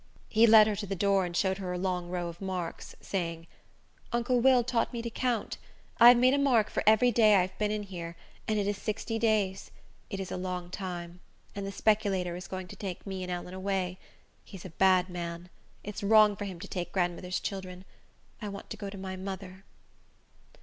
He led her to the door and showed her a long row of marks, saying, "Uncle Will taught me to count. I have made a mark for every day I have been here, and it is sixty days. It is a long time; and the speculator is going to take me and Ellen away. He's a bad man. It's wrong for him to take grandmother's children. I want to go to my mother."